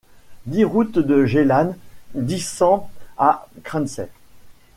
dix route de Gélannes, dix, cent à Crancey